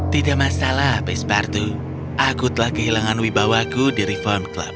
tidak masalah pespartu aku telah kehilangan wibawaku di reform club